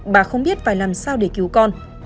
bà không biết phải làm sao để cứu con